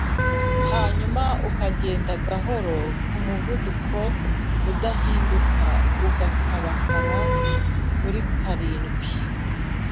hanyuma ukagenda gahoro ku muvuduko udahinduka ukabakaba kuri karindwi